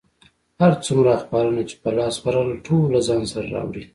هر څومره اخبارونه چې په لاس ورغلل، ټول له ځان سره راوړي.